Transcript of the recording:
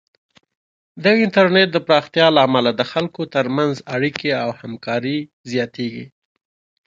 د انټرنیټ د پراختیا له امله د خلکو ترمنځ اړیکې او همکاري زیاتېږي.